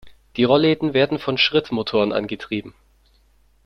Die Rollläden werden von Schrittmotoren angetrieben.